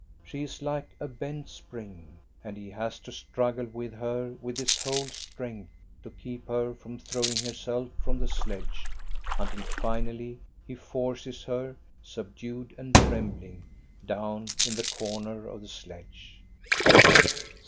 She is like a bent spring. And he has to struggle with her with his whole strength to keep her from throwing herself from the sledge, until finally he forces her, subdued and trembling, down in the corner of the sledge.